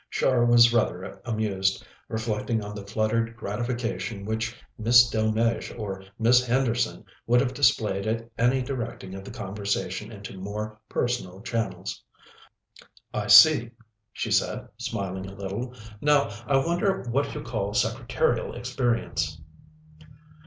Char was rather amused, reflecting on the fluttered gratification which Miss Delmege or Miss Henderson would have displayed at any directing of the conversation into more personal channels. "I see," she said, smiling a little. "Now, I wonder what you call secretarial experience?"